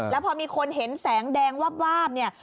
แล้วพอมีคนเห็นแสงแดงวาบเนี่ย